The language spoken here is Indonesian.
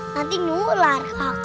nanti nyular aku